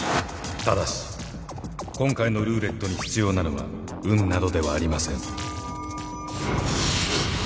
ただし今回のルーレットに必要なのは運などではありません。